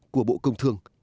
của bộ công thương